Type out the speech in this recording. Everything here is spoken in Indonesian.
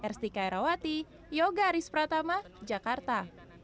r stikaerawati yoga aris pratama jakarta